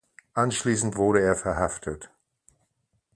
Anschließend wurde er verhaftet.